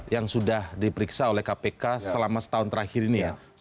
yang sudah diperiksa oleh kpk selama setahun terakhir ini ya